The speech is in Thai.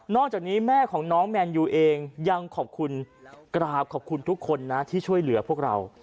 จากนี้แม่ของน้องแมนยูเองยังขอบคุณกราบขอบคุณทุกคนนะที่ช่วยเหลือพวกเรา